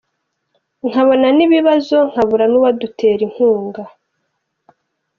Nkabona ni ibibazo, nkabura n’uwadutera n’inkunga.